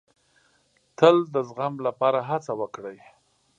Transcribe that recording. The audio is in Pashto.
تل د زغم لپاره هڅه وکړئ.